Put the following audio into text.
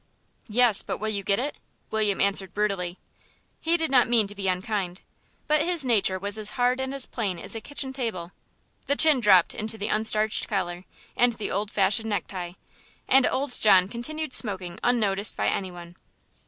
"Yes, but will you get it?" William answered brutally. He did not mean to be unkind, but his nature was as hard and as plain as a kitchen table. The chin dropped into the unstarched collar and the old fashioned necktie, and old John continued smoking unnoticed by any one.